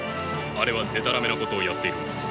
あれはでたらめなことをやっているのです。